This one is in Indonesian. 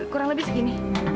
kurang lebih segini